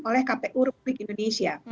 oleh kpu republik indonesia